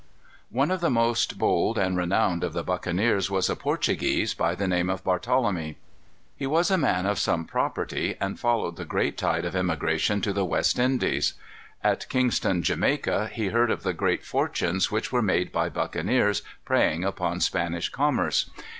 One of the most bold and renowned of the buccaneers was a Portuguese, by the name of Barthelemy. He was a man of some property, and followed the great tide of emigration to the West Indies. At Kingston, Jamaica, he heard of the great fortunes which were made by buccaneers preying upon Spanish commerce.